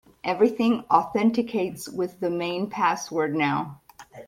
Everything authenticates with the main password now.